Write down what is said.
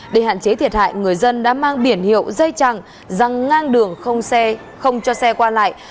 để hạn chế thiệt hại người dân đã mang biển hiệu dây chẳng răng ngang đường không xe không cho xe qua lại